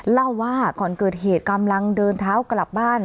เล่าว่าก่อนเกิดเหตุกำลังเดินเท้ากลับบ้าน